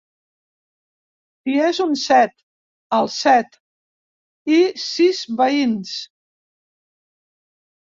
Si és un set, el set i sis veïns.